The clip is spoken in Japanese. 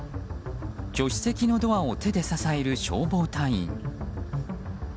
助手席のドアを手で支える消防隊員。